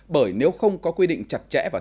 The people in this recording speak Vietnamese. bởi nếu không có quy định chặt chẽ và